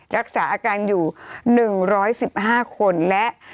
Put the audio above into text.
รักษาอาการอยู่๑๑๕คนและ